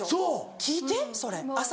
聴いてそれ朝。